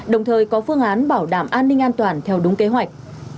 đồng thời có phương án bảo đảm an ninh an toàn theo đúng kế hoạch